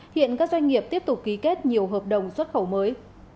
hiện các doanh nghiệp tiếp tục ký kết nhiều hợp đồng xuất khẩu mới